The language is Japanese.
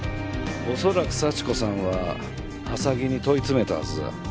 恐らく幸子さんは浅木に問い詰めたはずだ。